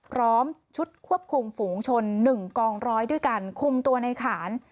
พร้อมชุดควบคุมฝูงชน๑กองร้อยด้วยกันคุมตัวในขาน